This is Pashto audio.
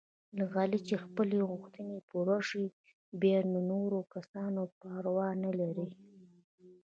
د علي چې خپلې غوښتنې پوره شي، بیا د نورو کسانو پروا نه لري.